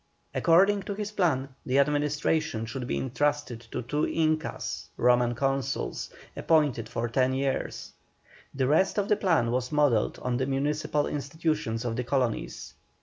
According to his plan, the administration should be entrusted to two Incas (Roman consuls), appointed for ten years; the rest of the plan was modelled on the municipal institutions of the colonies.